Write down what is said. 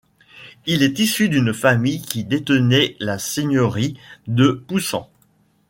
Il est issu d'une famille qui détenait la seigneurie de Poussan.